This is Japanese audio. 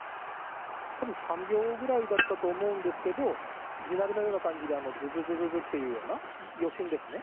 たぶん３秒ぐらいだったと思うんですけど、地鳴りのような感じで、ずずずずずっていうような、余震ですね。